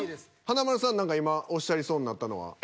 華丸さん何か今おっしゃりそうになったのは？